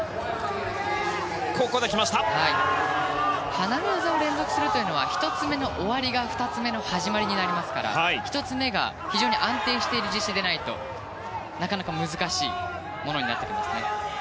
離れ業が連続するというのは１つ目の終わりが２つ目の始まりになりますから１つ目が非常に安定している実施でないとなかなか難しいものになってきますね。